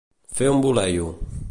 Fer un voleio.